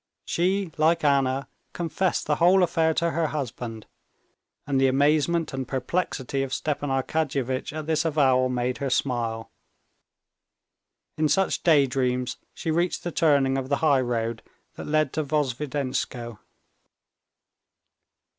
She, like Anna, confessed the whole affair to her husband. And the amazement and perplexity of Stepan Arkadyevitch at this avowal made her smile. In such daydreams she reached the turning of the highroad that led to Vozdvizhenskoe.